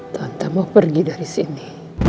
tanpa mau pergi dari sini